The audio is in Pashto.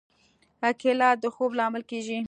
کېله د خوب لامل کېږي.